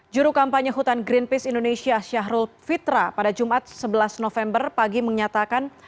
juru kampanye hutan greenpeace indonesia syahrul fitra pada jumat sebelas november pagi menyatakan